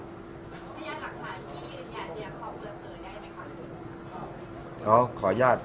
พยานหลักฐานนี้อยากได้ขอเวลาเตอร์ให้นะครับ